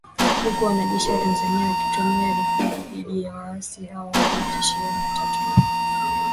huku wanajeshi wa Tanzania wakitumia roketi dhidi ya waasi hao wa Machi ishirini na tatu na